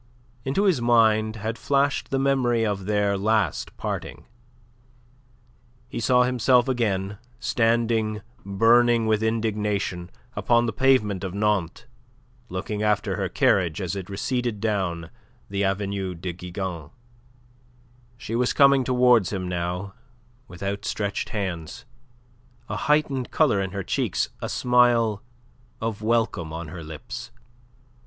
Into his mind had flashed the memory of their last parting. He saw himself again, standing burning with indignation upon the pavement of Nantes, looking after her carriage as it receded down the Avenue de Gigan. She was coming towards him now with outstretched hands, a heightened colour in her cheeks, a smile of welcome on her lips.